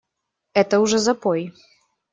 Это уже запой!